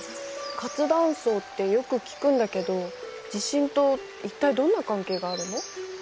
活断層ってよく聞くんだけど地震と一体どんな関係があるの？